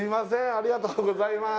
ありがとうございます